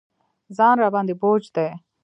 ځان راباندې بوج دی.